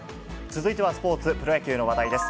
続いてはスポーツ、プロ野球の話題です。